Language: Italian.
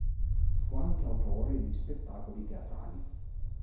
Fu anche autore di spettacoli teatrali.